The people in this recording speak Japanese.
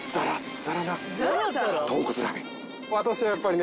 私はやっぱりね